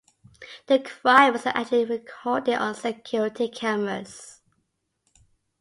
The "crime" was allegedly recorded on security cameras.